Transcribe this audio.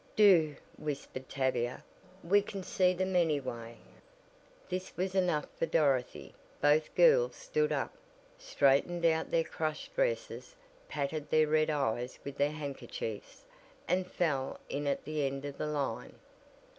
"Do," whispered Tavia, "we can see them anyway." This was enough for Dorothy. Both girls stood up, straightened out their crushed dresses, patted their red eyes with their handkerchiefs, and fell in at the end of the line.